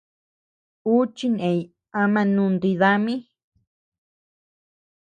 Ú chineñ ama nunti dami.